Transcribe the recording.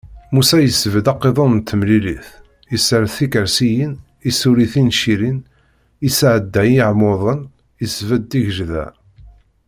Musa yesbedd aqiḍun n temlilit, isers tikersiyin, issuli tincirin, isɛedda iɛmuden, isbedd tigejda.